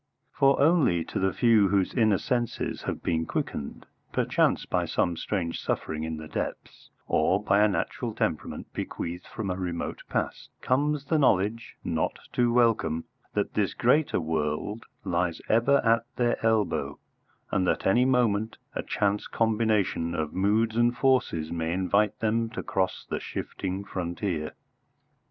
For only to the few whose inner senses have been quickened, perchance by some strange suffering in the depths, or by a natural temperament bequeathed from a remote past, comes the knowledge, not too welcome, that this greater world lies ever at their elbow, and that any moment a chance combination of moods and forces may invite them to cross the shifting frontier.